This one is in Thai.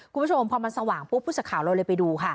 คุณผู้ชมพอมันสว่างพูดภูมิสักข่าวเราเลยไปดู